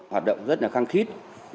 hoạt động rất là khăng khít